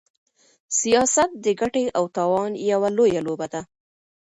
سياست د ګټې او تاوان يوه لويه لوبه ده.